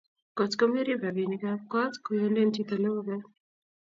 Kot ko merip rapinikap kot koyonden chito nebo kot